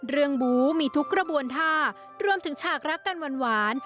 บูมีทุกกระบวนท่ารวมถึงฉากรักกันหวาน